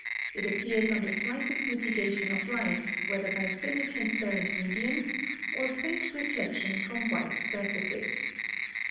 It appears on the slightest mitigation of light, whether by semi transparent mediums or faint reflection from white surfaces.